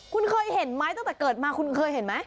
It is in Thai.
คุณเคยเห็นไหมตั้งแต่เกิดมาคุณเคยเห็นไหม